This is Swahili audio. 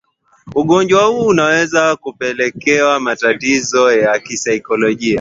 ugonjwa huu unaweza kupelekea matatizo ya kisaikolojia